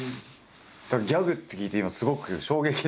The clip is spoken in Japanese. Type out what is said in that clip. だからギャグって聞いて今すごく衝撃です。